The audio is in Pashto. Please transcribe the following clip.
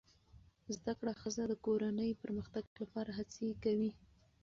زده کړه ښځه د کورنۍ پرمختګ لپاره هڅې کوي